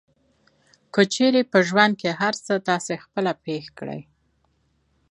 که چېرې په ژوند کې هر څه تاسې خپله پېښ کړئ.